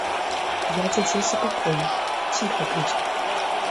Я дзяцей супакою, ціха будзе.